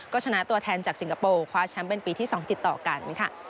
ก็ชนะตัวแทนจากสิงคโปร์คว้าแชมป์เป็นปีที่๒ติดต่อกันค่ะ